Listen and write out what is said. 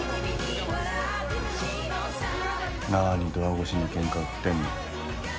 何ドア越しにケンカ売ってんの。